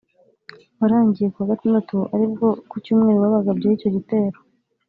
warangiye ku wa gatandatu ari bwo ku cyumweru babagabyeho icyo gitero